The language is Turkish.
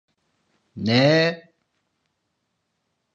Neee!